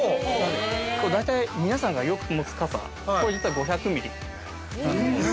大体皆さんがよく持つ傘、これは、実は５００ミリ。